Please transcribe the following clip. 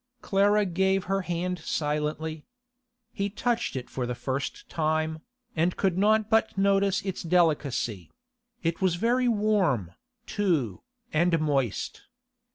Clara gave her hand silently. He touched it for the first time, and could not but notice its delicacy; it was very warm, too, and moist.